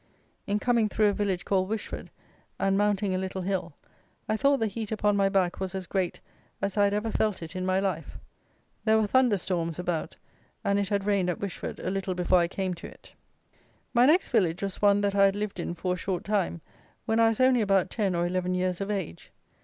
In coming through a village called Wishford, and mounting a little hill, I thought the heat upon my back was as great as I had ever felt it in my life. There were thunder storms about, and it had rained at Wishford a little before I came to it. My next village was one that I had lived in for a short time, when I was only about ten or eleven years of age.